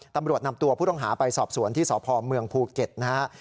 ตำรวจนำตัวผู้ต้องหาไปสอบสวนที่สพเมืองภูเก็ตนะฮะ